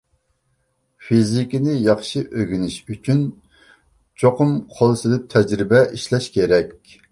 فىزىكىنى ياخشى ئۆگىنىش ئۈچۈن، چوقۇم قول سېلىپ تەجرىبە ئىشلەش كېرەك.